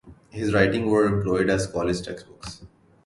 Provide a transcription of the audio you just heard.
His writings were employed as college textbooks.